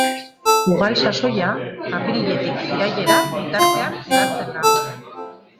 Ugal sasoia apiriletik irailera bitartean hedatzen da.